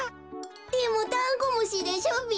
でもだんごむしでしょべ？